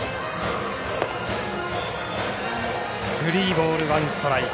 スリーボール、ワンストライク。